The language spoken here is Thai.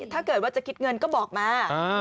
ถ้าเกิดว่าจะคิดเงินก็บอกมา